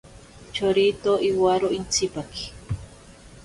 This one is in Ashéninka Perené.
Chorito iwaro intsipaki.